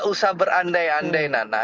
usaha berandai andai nana